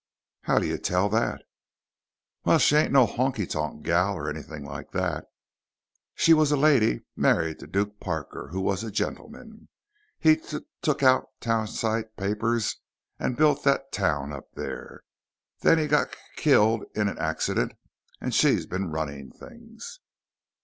"How do you tell that?" "Well, she ain't no honky tonk gal or anything like that. She was a lady married to Duke Parker, who was a gentleman. He t took out townsite papers and built that town up there. Then he got k killed in an accident and she's been running things."